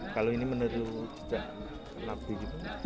kalau ini menurut jejak nabi